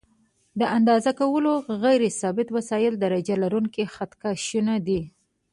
د اندازه کولو غیر ثابت وسایل درجه لرونکي خط کشونه دي.